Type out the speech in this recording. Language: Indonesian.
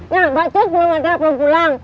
nah mbak cez belum ada belum pulang